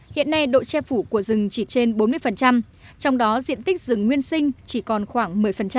hiện nay độ che phủ của rừng chỉ trên bốn mươi trong đó diện tích rừng nguyên sinh chỉ còn khoảng một mươi